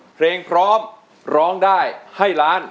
เพลงพร้อมร้องได้ให้ล้าน